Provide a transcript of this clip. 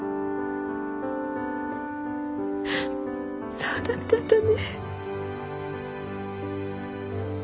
そうだったんだね。